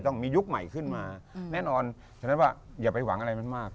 ต้องมียุคใหม่ขึ้นมาแน่นอนฉะนั้นว่าอย่าไปหวังอะไรมันมาก